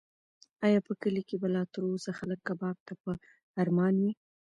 ایا په کلي کې به لا تر اوسه خلک کباب ته په ارمان وي؟